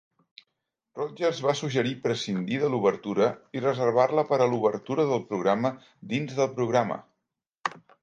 Rodgers va suggerir prescindir de l'obertura i reservar-la per a l'obertura del programa dins del programa.